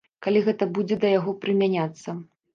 Калі гэта будзе да яго прымяняцца.